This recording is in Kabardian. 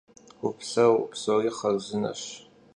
Vupseu, psori xharzıneş.